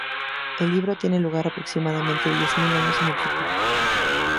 El libro tiene lugar aproximadamente diez mil años en el futuro.